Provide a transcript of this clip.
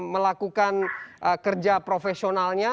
melakukan kerja profesionalnya